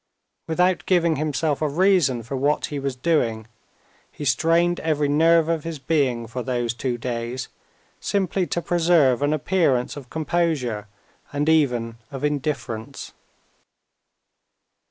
Without giving himself a reason for what he was doing, he strained every nerve of his being for those two days, simply to preserve an appearance of composure, and even of indifference.